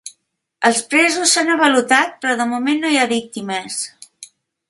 Els presos s'han avalotat, però de moment no hi ha víctimes.